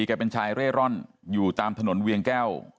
แกเป็นชายเร่ร่อนอยู่ตามถนนเวียงแก้ว